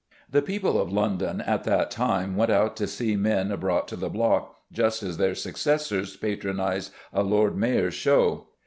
The people of London at that time went out to see men brought to the block, just as their successors patronise a Lord Mayor's show.